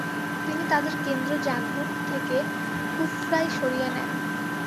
তিনি তাদের কেন্দ্র জাগবুব থেকে কুফরায় সরিয়ে নেন।